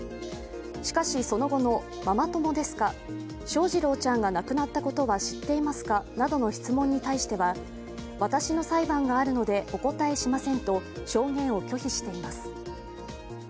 しかし、その後も、ママ友ですか、翔士郎ちゃんが亡くなったことは知っていますかなどの質問に対しては私の裁判があるのでお答えしませんと証言を拒否しています。